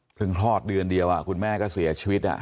คลอดเดือนเดียวคุณแม่ก็เสียชีวิต